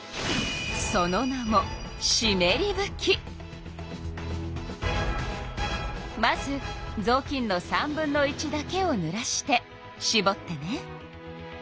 その名もまずぞうきんの３分の１だけをぬらしてしぼってね。